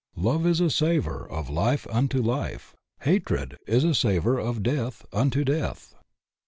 Love is a savor of life unto life; hatred is a savor of death unto death.